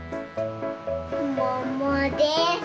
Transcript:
ももです。